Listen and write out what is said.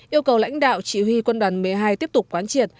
yêu cầu lãnh đạo chỉ huy quân đoàn một mươi hai tiếp tục quán triệt